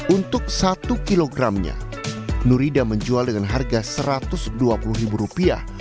untuk satu kilogramnya nurida menjual dengan harga satu ratus dua puluh ribu rupiah